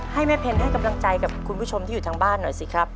ให้แม่เพนให้กำลังใจกับคุณผู้ชมที่อยู่ทางบ้านหน่อยสิครับ